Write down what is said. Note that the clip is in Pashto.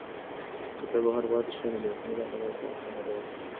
که ته بهر پاتې شې نو د یخنۍ له امله به خامخا ناروغه شې.